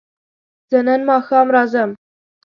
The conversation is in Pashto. زه نن ماښام راځم